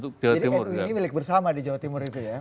jadi nu ini milik bersama di jawa timur itu ya